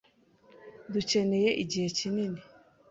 Dukeneye igihe kinini.